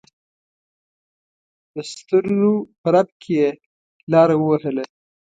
دسترو په رپ کې یې لار ووهله.